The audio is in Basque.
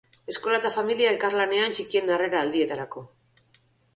Eskola eta familia elkarlanean txikienen harrera aldietarako.